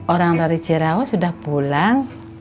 orang dari jerawa sudah pulang